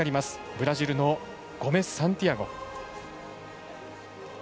ブラジルのゴメスサンティアゴ。